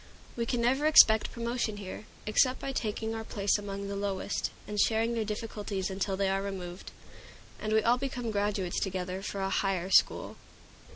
We can never expect promotion here, except by taking our place among the lowest, and sharing their difficulties until they are removed, and we all become graduates together for a higher school.